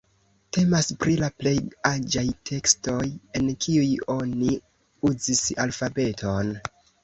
Temas pri la plej aĝaj tekstoj, en kiuj oni uzis alfabeton.